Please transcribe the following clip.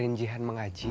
siapa yang jihane mengaji